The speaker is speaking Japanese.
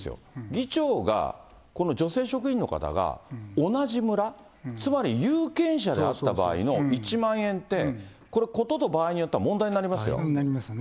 議長が、この女性職員の方が、同じ村、つまり有権者であった場合の１万円って、これ、事と場合によっては問題になりますよ。